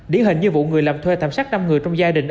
điển hình như vụ người làm thuê tạm sát năm người trong gia đình